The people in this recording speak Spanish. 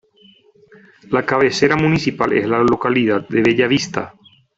La cabecera municipal es la localidad de Bellavista.